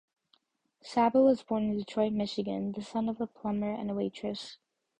Sabo was born in Detroit, Michigan, the son of a plumber and a waitress.